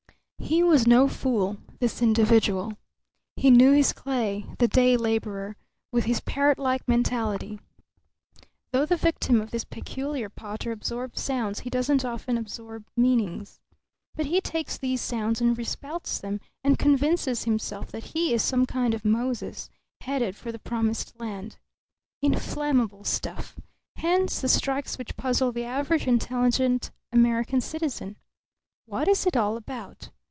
He was no fool, this individual. He knew his clay, the day labourer, with his parrotlike mentality. Though the victim of this peculiar potter absorbs sounds he doesn't often absorb meanings. But he takes these sounds and respouts them and convinces himself that he is some kind of Moses, headed for the promised land. Inflammable stuff. Hence, the strikes which puzzle the average intelligent American citizen. What is it all about?